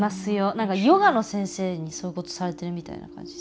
何かヨガの先生にそういうことされてるみたいな感じです。